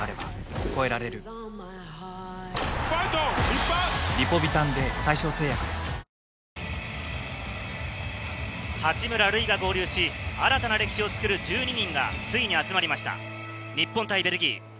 ＮＢＡプレーヤーの渡邊八村塁が合流し、新たな歴史をつくる１２人が、ついに集まりました、日本対ベルギー。